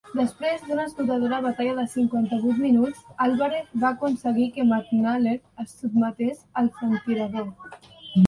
Després d'una esgotadora batalla de cinquanta-vuit minuts, Alvarez va aconseguir que McNaler es sotmetés al franctirador.